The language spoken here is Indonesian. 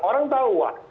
orang tahu lah